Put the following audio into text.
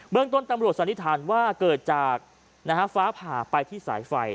เมืองต้นตำรวจสันนิษฐานว่าเกิดจากฟ้าผ่าไปที่สายไฟ